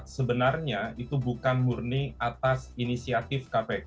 sebenarnya itu bukan murni atas inisiatif kpk